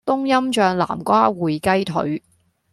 冬蔭醬南瓜燴雞腿